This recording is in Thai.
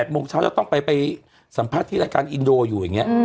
โมงเช้าจะต้องไปสัมภาษณ์ที่รายการอินโดอยู่อย่างนี้